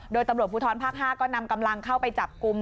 โดยตำรวจภูทรภาค๕ก็นำกำลังเข้าไปจับกลุ่ม